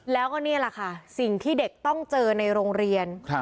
แล้วก็นี่แหละค่ะสิ่งที่เด็กต้องเจอในโรงเรียน